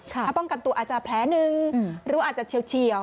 ถ้าป้องกันตัวอาจจะแผลหนึ่งหรืออาจจะเฉียว